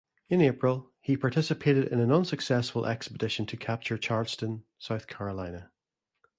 In April, he participated in an unsuccessful expedition to capture Charleston, South Carolina.